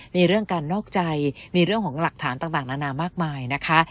มีเรื่องการนอกใจมีเรื่องของหลักฐานต่างนานามากมายนะคะ